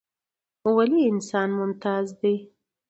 ولې انسان ممتاز دى؟